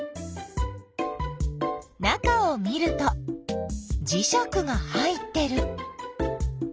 中を見るとじしゃくが入ってる。